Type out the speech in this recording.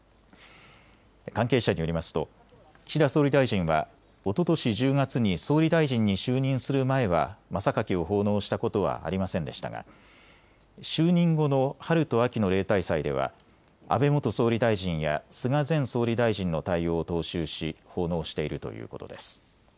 関係者によりますと岸田総理大臣はおととし１０月に総理大臣に就任する前は真榊を奉納したことはありませんでしたが就任後の春と秋の例大祭では安倍元総理大臣や菅前総理大臣の対応を踏襲し奉納しているということです。